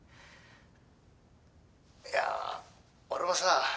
「いや俺もさ